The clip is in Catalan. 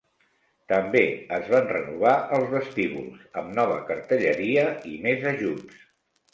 També es van renovar els vestíbuls, amb nova cartelleria i més ajuts.